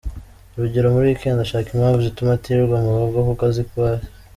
Urugero muri weekend ashaka impamvu zituma atirirwa mu rugo kuko aziko uhari.